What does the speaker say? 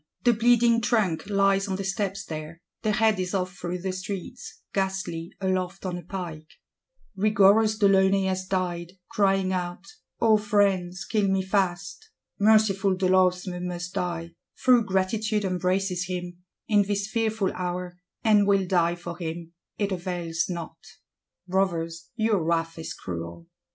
The bleeding trunk lies on the steps there; the head is off through the streets; ghastly, aloft on a pike. Rigorous de Launay has died; crying out, 'O friends, kill me fast!' Merciful de Losme must die; though Gratitude embraces him, in this fearful hour, and will die for him; it avails not. Brothers, your wrath is cruel!